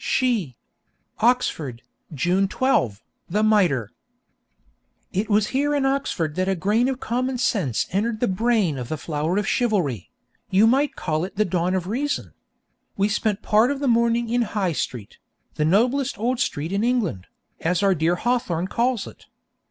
She Oxford, June 12, The Mitre. It was here in Oxford that a grain of common sense entered the brain of the flower of chivalry; you might call it the dawn of reason. We had spent part of the morning in High Street, 'the noblest old street in England,' as our dear Hawthorne calls it.